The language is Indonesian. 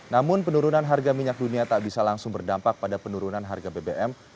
namun penurunan harga minyak dunia tak bisa langsung berdampak pada penurunan harga bbm